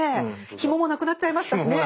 ひもも無くなっちゃいましたしね。